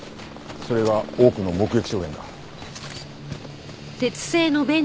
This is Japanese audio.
それが多くの目撃証言だ。